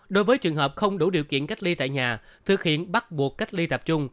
đối với trường hợp không đủ điều kiện cách ly tại nhà thực hiện bắt buộc cách ly tập trung